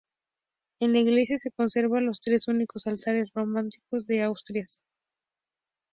En la iglesia se conservan los tres únicos altares románicos de Asturias.